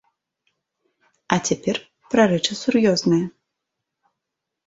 А цяпер пра рэчы сур'ёзныя.